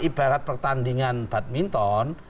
ibarat pertandingan badminton